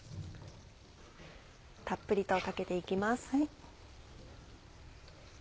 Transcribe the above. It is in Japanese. たっぷりとかけて行きます。